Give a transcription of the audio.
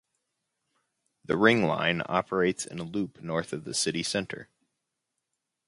The Ring Line operates in a loop north of the city center.